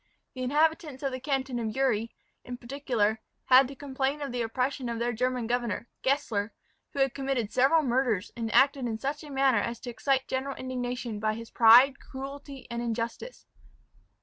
The inhabitants of the canton Uri, in particular, had to complain of the oppression of their German governor, Gessler, who had committed several murders, and acted in such a manner as to excite general indignation, by his pride, cruelty, and injustice.